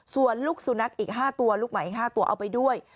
ส่วนลูกสุนัขอีก๕ตัวลูกไหมอีก๕ตัวเอาไปด้วย